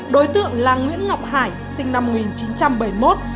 đối tượng là nguyễn ngọc hải sinh năm một nghìn chín trăm bảy mươi một